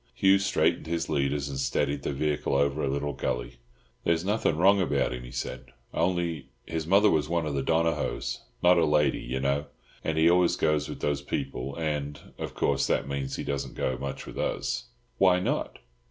Hugh straightened his leaders and steadied the vehicle over a little gully. "There's nothing wrong about him," he said, "only—his mother was one of the Donohoes—not a lady, you know—and he always goes with those people; and, of course, that means he doesn't go much with us." "Why not?"